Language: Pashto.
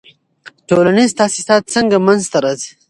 ټولنیز تاسیسات څنګه منځ ته راځي؟